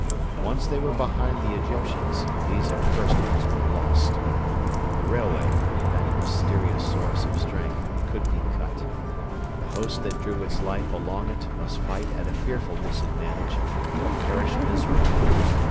Once they were behind the Egyptians, these accursed ones were lost. The railway that mysterious source of strength could be cut. The host that drew its life along it must fight at a fearful disadvantage or perish miserably.